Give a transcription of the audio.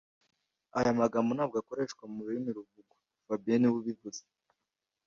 Aya magambo ntabwo akoreshwa mururimi ruvugwa fabien niwe wabivuze